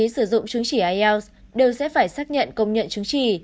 các tổ chức đăng ký sử dụng chứng chỉ ielts đều sẽ phải xác nhận công nhận chứng chỉ